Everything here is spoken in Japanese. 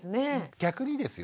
逆にですよ